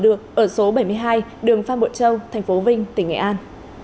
ở số bảy mươi hai đường phan bộ châu tp vinh tỉnh nghệ an